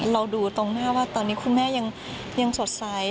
ดูตรงหน้าว่าตอนนี้คุณแม่ยังสดใส